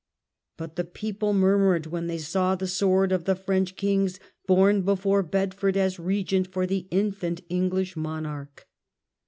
But the j)eopIe murmured when they saw the sword of the French Kings borne before Bedford as Eegent for the infant English monarch.